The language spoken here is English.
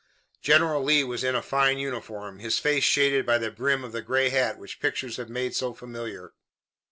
General Lee was in a fine uniform, his face shaded by the brim of the gray hat which pictures have made so familiar.